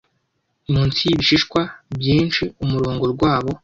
munsi y'ibishishwa byinshi umurongo rwabo